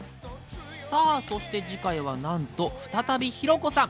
さあそして次回はなんと再びひろ子さん。